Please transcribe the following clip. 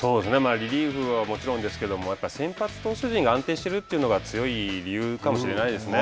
リリーフはもちろんですけれども先発投手陣が安定してるというのが強い理由かもしれないですね。